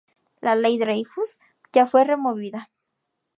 La ley Dreyfus ya fue removida.